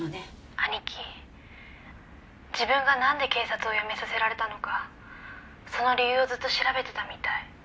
「兄貴自分がなんで警察を辞めさせられたのかその理由をずっと調べてたみたい」